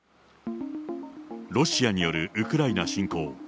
ロシアによるウクライナ侵攻。